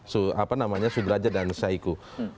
sudrajat dan saiku